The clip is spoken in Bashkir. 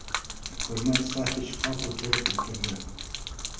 Хөрмәт Сафич ҡапыл тороп ултырҙы